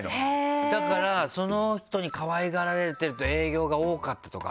だからその人に可愛がられてると営業が多かったとかあるもん。